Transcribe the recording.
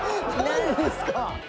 何ですか。